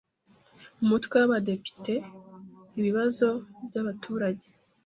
ku Mutwe w Abadepite ibibazo by abaturage